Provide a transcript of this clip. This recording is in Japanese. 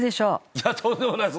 いやとんでもないです。